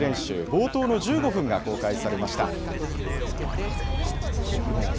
冒頭の１５分が公開されました。